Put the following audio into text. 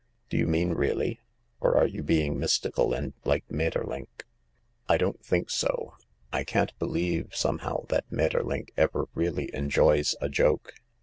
" Do you mean really ? Or are you being mystical and like Maeterlinck ?"" I don't think so. I can't believe somehow that Maeter linck ever really enjoys a joke.